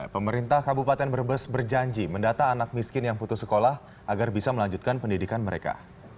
pemerintah kabupaten brebes berjanji mendata anak miskin yang putus sekolah agar bisa melanjutkan pendidikan mereka